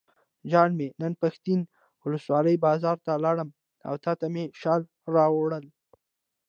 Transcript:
جان مې نن پښتین ولسوالۍ بازار ته لاړم او تاته مې شال راوړل.